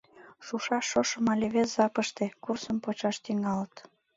Шушаш шошым але вес жапыште, курсым почаш тӱҥалыт.